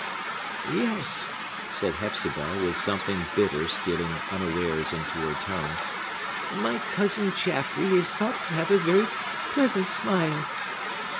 "Yes," said Hepzibah, with something bitter stealing unawares into her tone; "my cousin Jaffrey is thought to have a very pleasant smile!"